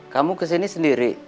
kamu kesini sendiri